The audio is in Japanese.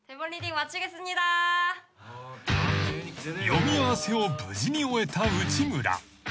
［読み合わせを無事に終えた内村］